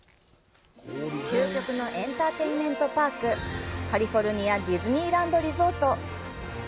究極のエンタテインメントパーク、カリフォルニアディズニーランド・リゾート。